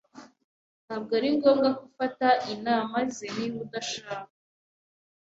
Ntabwo ari ngombwa ko ufata inama ze niba udashaka.